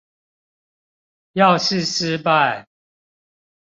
要是失敗